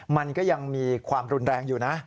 มันก็ยังมีความรุนแรงอยู่นะ